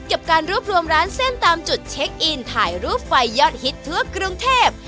กับการรวบรวมร้านเส้นตามจุดเช็คอินถ่ายรูปไฟยอดฮิตทั่วกรุงเทพ